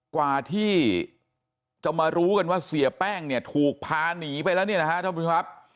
กว่าที่จะมารู้กันว่าเสียแป้งเนี่ยถูกพาหนีไปแล้วเนี่ยนะฮะท่านผู้ชมครับ